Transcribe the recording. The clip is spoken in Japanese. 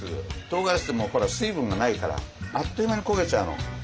とうがらしって水分がないからあっという間に焦げちゃうの。